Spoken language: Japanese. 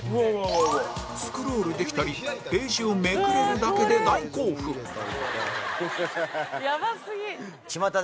スクロールできたりページをめくれるだけで大興奮ハハハハ！やばすぎ！